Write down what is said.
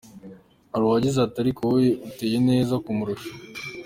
Hari uwagize ati “Ariko wowe uteye neza kumurusha.